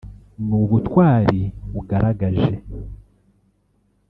ni ubutwari ugaragaje